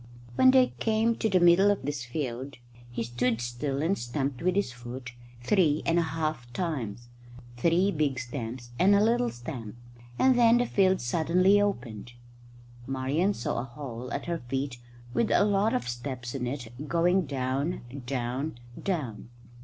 When they came to the middle of this field he stood still and stamped with his foot three and a half times three big stamps and a little stamp and then the field suddenly opened. Marian saw a hole at her feet with a lot of steps in it going down, down, down.